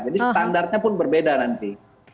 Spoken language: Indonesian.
jadi standarnya pun berbeda nanti